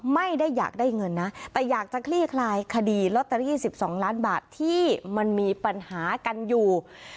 ไม่ได้อยากได้เงินนะแต่อยากจะคลี่คลายคดีลอตเตอรี่๑๒ล้านบาทที่มันมีปัญหากันอยู่